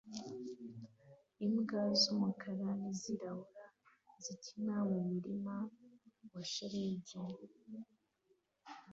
Imbwa z'umukara n'izirabura zikina mu murima wa shelegi